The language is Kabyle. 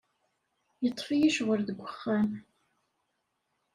Yeṭṭef-iyi ccɣel deg wexxam.